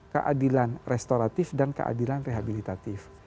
keadilan restoratif dan keadilan rehabilitatif